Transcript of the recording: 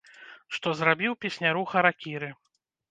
Што зрабіў песняру харакіры!